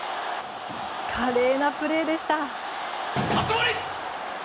華麗なプレーでした。